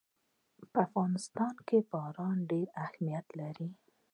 په افغانستان کې باران ډېر اهمیت لري.